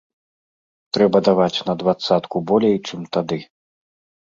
Трэба дадаваць на дваццатку болей, чым тады.